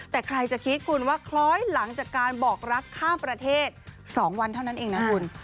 แต่ใครจะคิดคุณว่าคล้อยหลังจากการบอกรักข้ามประเทศ๒วันเท่านั้นเองนะคุณ